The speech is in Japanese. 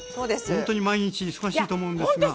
ほんとに毎日忙しいと思うんですが。